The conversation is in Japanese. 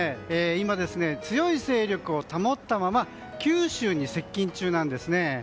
今、強い勢力を保ったまま九州に接近中なんですね。